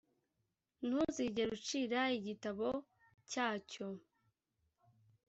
ntuzigere ucira igitabo cyacyo